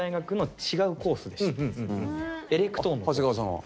長谷川さんは。